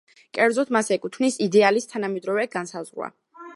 კერძოდ, მას ეკუთვნის იდეალის თანამედროვე განსაზღვრა.